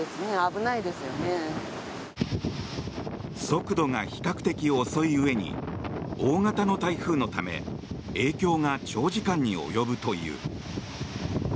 速度が比較的遅いうえに大型の台風のため影響が長時間に及ぶという。